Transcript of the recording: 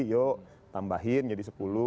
yuk tambahin jadi sepuluh